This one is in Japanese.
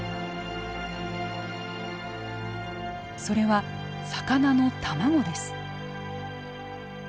それは魚の卵です。